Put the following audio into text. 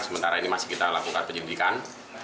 sementara ini masih kita lakukan penyelidikan